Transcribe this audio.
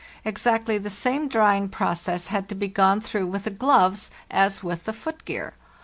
Ex actly the same drying process had to be gone through with the gloves as with the foot gear.